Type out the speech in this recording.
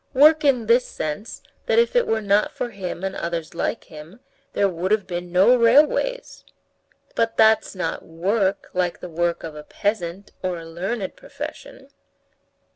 Work in this sense, that if it were not for him and others like him, there would have been no railways." "But that's not work, like the work of a peasant or a learned profession."